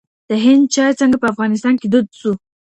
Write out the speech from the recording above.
د هند چای څنګه په افغانستان کي دود سو؟